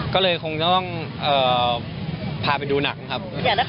ก็เลยคงจะต้องพาไปดูหนังครับ